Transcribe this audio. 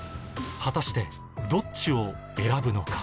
果たしてどっちを選ぶのか？